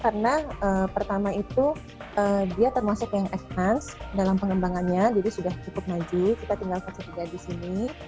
karena pertama itu dia termasuk yang advance dalam pengembangannya jadi sudah cukup maju kita tinggal kecerjaan di sini